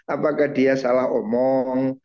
apakah dia salah omong